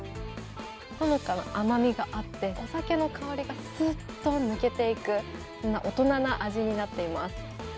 ほのかな甘みがあってお酒の香りがすっと抜けていく大人な味になっています。